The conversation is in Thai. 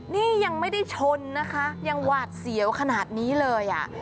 นี่ยังไม่ได้ชนนะคะยังหวาดเสียวขนาดนี้เลยอ่ะ